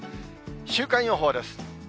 週間予報です。